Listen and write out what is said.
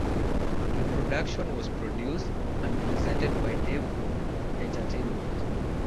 The production was produced and presented by Dave Hood Entertainment.